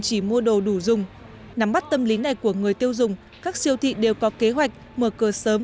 chỉ mua đồ đủ dùng nắm bắt tâm lý này của người tiêu dùng các siêu thị đều có kế hoạch mở cửa sớm